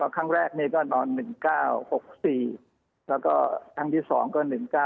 ครั้งแรกนี่ก็นอน๑๙๖๔แล้วก็ครั้งที่๒ก็๑๙